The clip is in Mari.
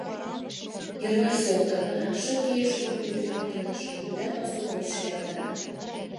Йырваш солкала, шып кийыше лумым тӱргыктылеш, кумда пасу гоч шиялтара.